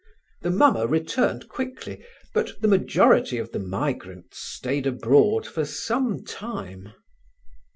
The mummer returned quickly; but the majority of the migrants stayed abroad for some time.